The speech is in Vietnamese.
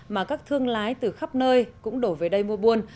mà các thương lái từ khắp nơi cũng đổ về đây mua buôn